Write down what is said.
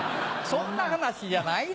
そんな話じゃない。